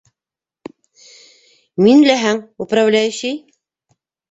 Мин ләһаң - управляющий.